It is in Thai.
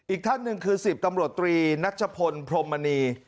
อีกท่านหนึ่งคือ๑๐ตำรวจตรีนัชพลพรมมณี